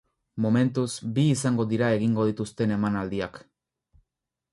Momentuz bi izango dira egingo dituzten emanaldiak.